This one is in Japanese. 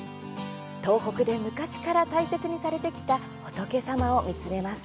東北で昔から大切にされてきた仏様を見つめます。